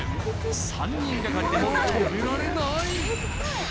３人がかりでも止められない！